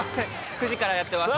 ９時からやってます。